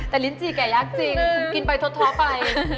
แต่ลิ้นจี่แกยากจริงกินไปท้อไป